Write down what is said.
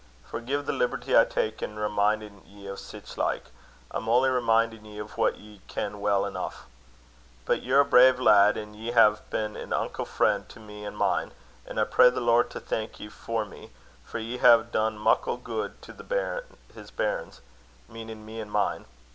Forgie the liberty I tak' in remin'in' ye o' sic like. I'm only remin'in' ye o' what ye ken weel aneuch. But ye're a brave lad, an' ye hae been an unco frien' to me an' mine; an' I pray the Lord to thank ye for me, for ye hae dune muckle guid to his bairns meanin' me an' mine.